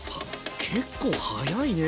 結構早いね！